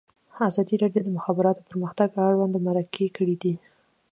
ازادي راډیو د د مخابراتو پرمختګ اړوند مرکې کړي.